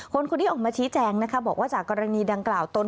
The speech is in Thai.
คนนี้ออกมาชี้แจงนะคะบอกว่าจากกรณีดังกล่าวตน